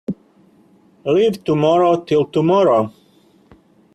Leave tomorrow till tomorrow.